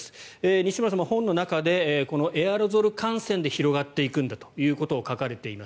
西村先生、本の中でエアロゾル感染で広がっていくんだと書かれています。